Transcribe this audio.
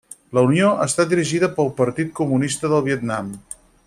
La unió està dirigida pel Partit Comunista del Vietnam.